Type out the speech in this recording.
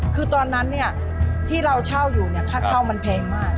คือตอนนั้นข้าวเช่าอย่างเงี่ยมันแพงมาก